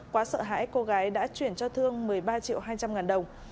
quá sợ hãi cô gái đã chuyển cho thương một mươi ba triệu hai trăm linh ngàn đồng